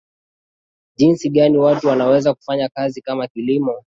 jinsi gani watu wanaweza kufanya kazi na kama kilimo